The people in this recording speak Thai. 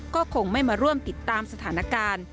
ก็คงไม่มาร่วมติดตามสถานการณ์